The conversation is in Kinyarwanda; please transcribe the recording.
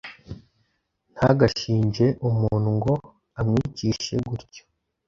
ntagashinje umuntu ngo amwicishe gyutyo.